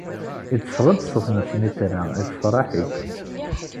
Itteffeɣ-d ṣṣut n snitra, issefraḥ-ik.